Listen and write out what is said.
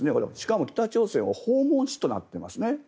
しかも北朝鮮を訪問しとなっていますね。